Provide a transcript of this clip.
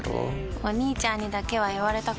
お兄ちゃんにだけは言われたくないし。